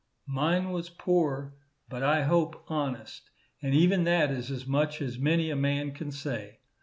Mine was poor, but I hope honest, and even that is as much as many a man can say.